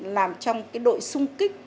làm trong cái đội xung kích